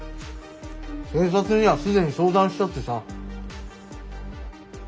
警察には既に相談したってさ。